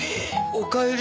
おかえり。